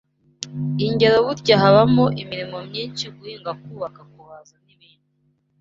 Ingero Burya habaho imirimo myinshi guhinga kubaka kubaza n’ibindi